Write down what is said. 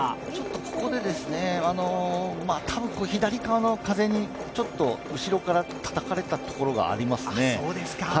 ここで多分左からの風に後ろからたたかれたところがありますね。